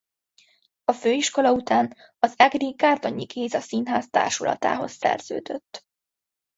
A főiskola után az egri Gárdonyi Géza Színház társulatához szerződött.